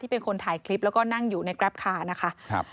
ที่เป็นคนถ่ายคลิปแล้วก็นั่งอยู่ในกราบคาร์